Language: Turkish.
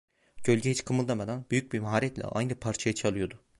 Gölge hiç kımıldamadan, büyük bir maharetle aynı parçayı çalıyordu.